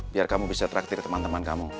biar kamu bisa traktir temen temen kamu